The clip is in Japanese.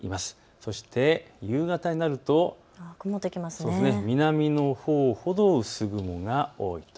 そして夕方になると南のほうほど薄雲が多いと。